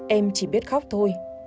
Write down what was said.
em chỉ biết khóc thôi